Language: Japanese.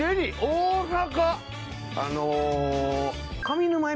大阪